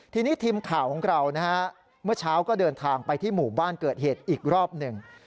ทีนี้ทีมข่าวของเรานะฮะเมื่อเช้าก็เดินทางไปที่หมู่บ้านเกิดเหตุอีกรอบหนึ่ง